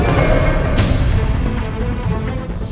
membuatkan rudeng dumal